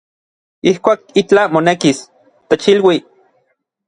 Ijkuak itlaj monekis, techilui.